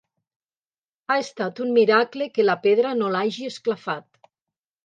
Ha estat un miracle que la pedra no l'hagi esclafat.